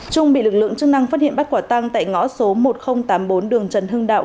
trung bị lực lượng chức năng phát hiện bắt quả tăng tại ngõ số một nghìn tám mươi bốn đường trần hưng đạo